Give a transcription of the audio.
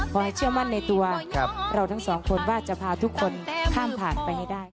ขอให้เชื่อมั่นในตัวเราทั้งสองคนว่าจะพาทุกคนข้ามผ่านไปให้ได้